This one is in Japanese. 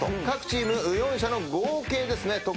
各チーム４射の合計ですね。